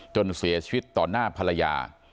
จนเสียชีวิตต่อหน้าภรรยา